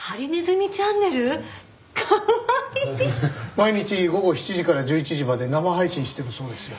毎日午後７時から１１時まで生配信してるそうですよ。